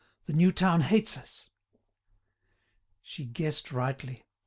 The new town hates us." She guessed rightly.